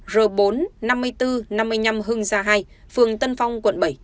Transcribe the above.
r bốn năm mươi bốn năm mươi năm hưng gia hai phường tân phong quận bảy